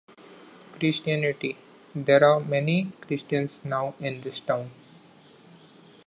Christianity: There are many Christians now in this town.